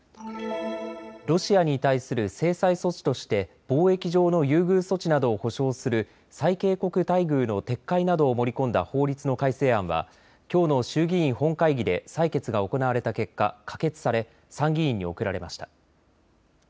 ロシアに対する制裁措置として貿易上の優遇措置などを保障する最恵国待遇の撤回などを盛り込んだ法律の改正案はきょうの衆議院本会議で採決が行われた結果、可決され参議院に送られました。